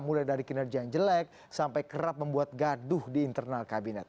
mulai dari kinerja yang jelek sampai kerap membuat gaduh di internal kabinet